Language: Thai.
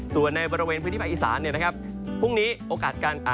ส่วนในบริเวณพื้นที่ภาคอีสาน